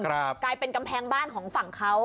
กลายเป็นกำแพงบ้านของฝั่งเขา